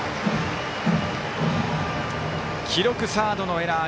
記録サードのエラー。